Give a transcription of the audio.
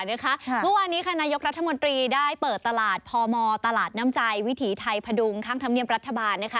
เมื่อวานนี้ค่ะนายกรัฐมนตรีได้เปิดตลาดพมตลาดน้ำใจวิถีไทยพดุงข้างธรรมเนียบรัฐบาลนะคะ